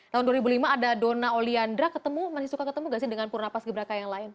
tahun dua ribu lima ada donna oleandra ketemu masih suka ketemu nggak sih dengan purna pas kibraka yang lain